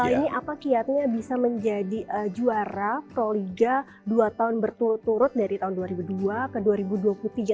ini apa kiatnya bisa menjadi juara proliga dua tahun berturut turut dari tahun dua ribu dua ke dua ribu dua puluh tiga